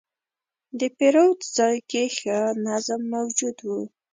د پیرود ځای کې ښه نظم موجود و.